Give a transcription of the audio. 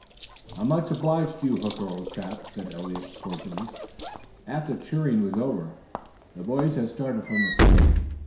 "I'm much obliged to you, Hooker, old chap," said Eliot cordially, after the cheering was over and the boys had started from the field.